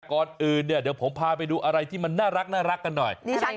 ก่อนอื่นเนี่ยเดี๋ยวผมพาไปดูอะไรที่มันน่ารักกันหน่อย